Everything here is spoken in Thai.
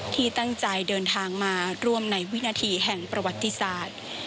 ที่ตั้งใจเดินทางมาร่วมในวินาทีแห่งประวัติศาสตร์